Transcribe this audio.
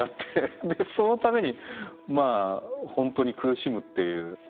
でそのためにまあ本当に苦しむっていう。